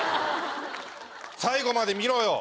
最後まで見ろよ